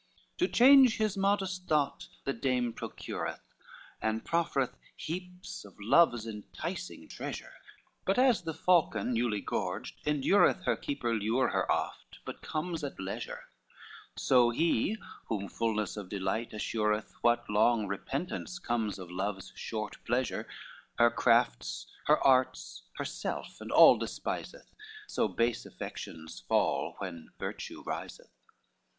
LXII To change his modest thought the dame procureth, And proffereth heaps of love's enticing treasure: But as the falcon newly gorged endureth Her keeper lure her oft, but comes at leisure; So he, whom fulness of delight assureth What long repentance comes of love's short pleasure, Her crafts, her arts, herself and all despiseth, So base affections fall, when virtue riseth.